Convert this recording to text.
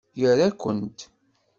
Ira-kent!